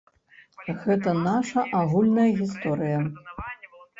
Гэта наша агульная гісторыя.